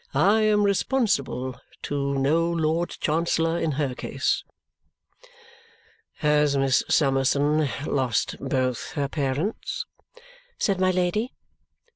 "I am responsible to no Lord Chancellor in her case." "Has Miss Summerson lost both her parents?" said my Lady.